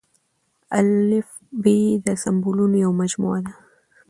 الفبې د سمبولونو يوه مجموعه ده.